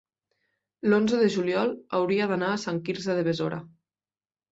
l'onze de juliol hauria d'anar a Sant Quirze de Besora.